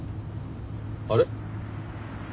あれ？